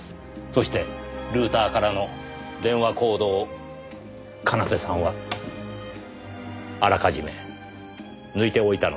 そしてルーターからの電話コードを奏さんはあらかじめ抜いておいたのです。